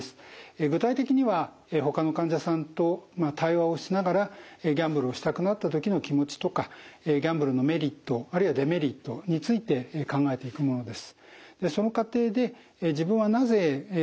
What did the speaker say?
具体的にはほかの患者さんと対話をしながらギャンブルをしたくなった時の気持ちとかギャンブルのメリットあるいはデメリットについて考えていくものです。